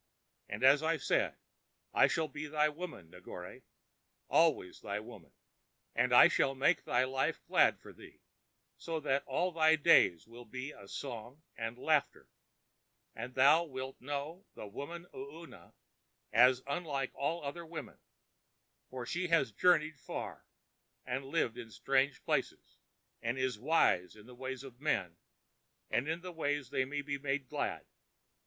And as I say, I shall be thy woman, Negore, always thy woman. And I shall make thy life glad for thee, so that all thy days will be a song and laughter, and thou wilt know the woman Oona as unlike all other women, for she has journeyed far, and lived in strange places, and is wise in the ways of men and in the ways they may be made glad.